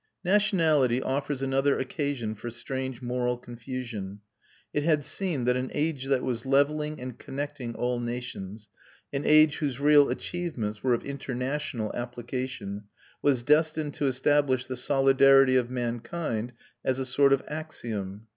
Nationality offers another occasion for strange moral confusion. It had seemed that an age that was levelling and connecting all nations, an age whose real achievements were of international application, was destined to establish the solidarity of mankind as a sort of axiom.